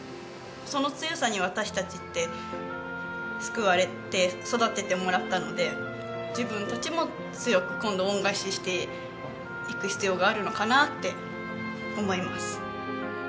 その強さに私たちって救われて育ててもらったので自分たちも強く今度恩返ししていく必要があるのかなって思います。